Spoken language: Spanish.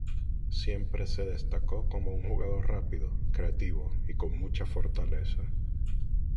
Siempre se destacó como un jugador rápido, creativo y con mucha fortaleza.